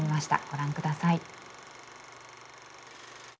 ご覧ください。